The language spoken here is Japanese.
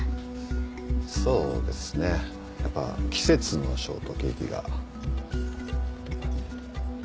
そうですねやっぱ季節のショートケーキが。